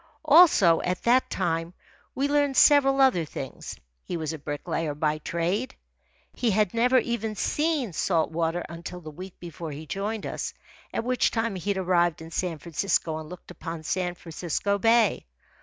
Also, at that time, we learned several other things. He was a bricklayer by trade. He had never even seen salt water until the week before he joined us, at which time he had arrived in San Francisco and looked upon San Francisco Bay.